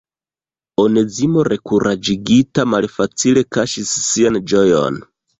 Onezimo rekuraĝigita malfacile kaŝis sian ĝojon.